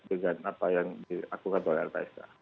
dengan apa yang dilakukan oleh lpsk